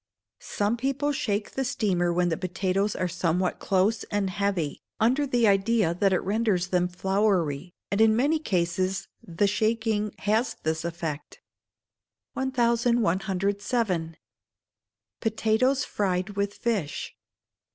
Some people shake the steamer when potatoes are somewhat close and heavy, under the idea that it renders them floury, and in many cases the shaking has this effect. 1107. Potatoes Fried with Fish.